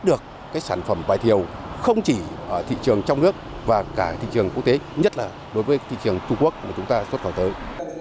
chúng ta có thể nhận được sản phẩm vải thiều không chỉ ở thị trường trong nước và cả thị trường quốc tế nhất là đối với thị trường trung quốc mà chúng ta xuất khẩu tới